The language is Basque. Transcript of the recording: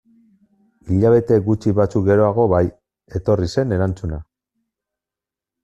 Hilabete gutxi batzuk geroago bai, etorri zen erantzuna.